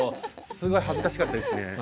すごい恥ずかしかったですね。